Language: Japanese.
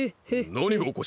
なにがおかしい？